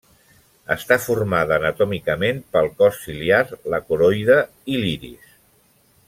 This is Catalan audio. Està formada anatòmicament pel cos ciliar, la coroide i l'iris.